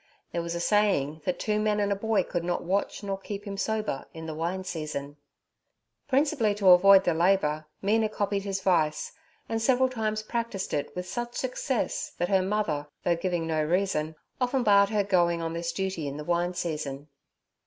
There was a saying that two men and a boy could not watch nor keep him sober in the wine season. Principally to avoid the labour, Mina copied his vice, and several times practised it with such success that, her mother, though giving no reason, often barred her going on this duty in the wine season.